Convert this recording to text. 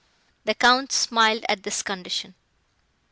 The Count smiled at this condition.